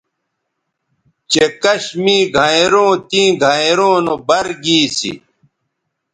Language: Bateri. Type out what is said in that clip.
چہء کش می گھینئروں تیں گھینئروں نو بَر گی سی